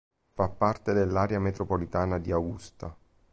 Fa parte dell'area metropolitana di Augusta.